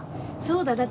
そうだ！